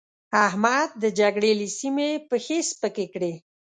احمد د جګړې له سيمې پښې سپکې کړې.